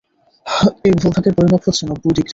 এ ভূ-ভাগের পরিমাপ হচ্ছে নব্বই ডিগ্রী।